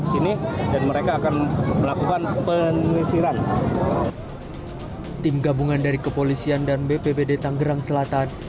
di sini dan mereka akan lakukan penelitiran tim gabungan dari kepolisian dan bppb tanggerang selatan